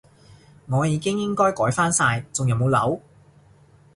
我應該已經改返晒，仲有冇漏？